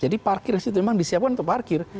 jadi parkir di situ memang disiapkan untuk parkir